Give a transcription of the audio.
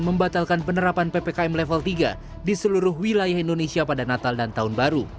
membatalkan penerapan ppkm level tiga di seluruh wilayah indonesia pada natal dan tahun baru